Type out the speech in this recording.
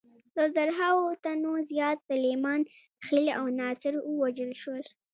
له زرهاوو تنو زیات سلیمان خېل او ناصر ووژل شول.